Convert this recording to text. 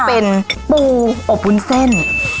เป็นปูอบวุ้นเส้น